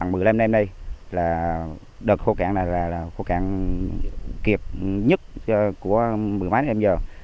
mười lăm năm nay đợt khô cạn này là khô cạn kịp nhất của mười mát năm giờ